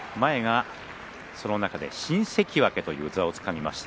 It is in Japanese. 新関脇という座をつかみました